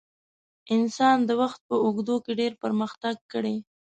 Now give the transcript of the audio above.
انسان د وخت په اوږدو کې ډېر پرمختګ کړی.